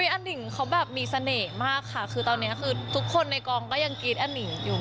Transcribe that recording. อนิ่งเขาแบบมีเสน่ห์มากค่ะคือตอนนี้คือทุกคนในกองก็ยังกรี๊ดอนิงอยู่